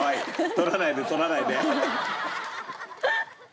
取らないで取らないで。